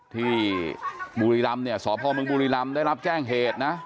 ที่บุรีรัมณ์เนี้ยสบบุรีรัมณ์ได้รับแจ้งเหตุนะ